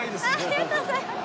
ありがとうございます。